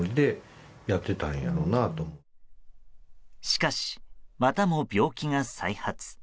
しかし、またも病気が再発。